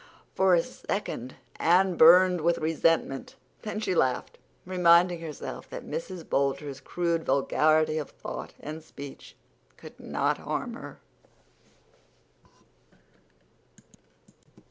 For a second Anne burned with resentment. Then she laughed, reminding herself that Mrs. Boulter's crude vulgarity of thought and speech could not harm her.